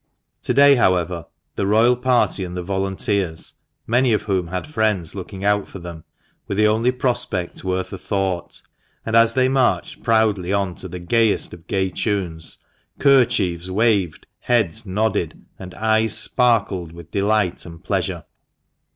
To day, however, the royal party and the volunteers, many of whom had friends looking out for them, were the only prospect worth a thought ; and as they marched proudly on, to the gayest of gay tunes, kerchiefs waved, heads nodded, and eyes sparkled with delight and pleasure.